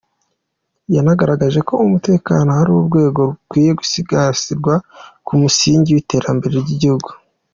Yanagaragaje ko umutekano ari urwego rukwiye gusigasirwa nk’umusingi w’iterambere ry’igihugu.